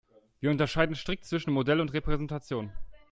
Wir unterscheiden strikt zwischen Modell und Repräsentation.